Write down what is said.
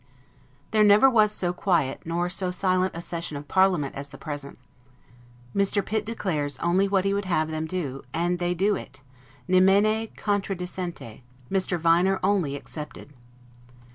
There never was so quiet, nor so silent a session of parliament as the present; Mr. Pitt declares only what he would have them do, and they do it 'nemine contradicente', Mr. Viner only expected.